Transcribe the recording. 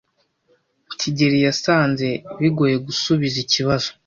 kigeli yasanze bigoye gusubiza ikibazo.